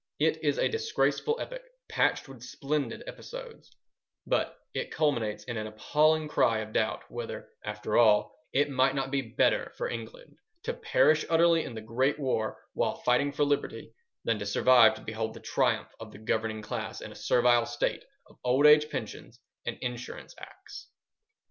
It is a disgraceful epic patched with splendid episodes, but it culminates in an appalling cry of doubt whether, after all, it might not be better for England to perish utterly in the great war while fighting for liberty than to survive to behold the triumph of the "governing class" in a servile State of old age pensions and Insurance Acts.